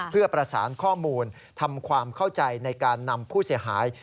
เพื่อประสานข้อมูลทำความเข้าใจในการนำผู้เสียหาย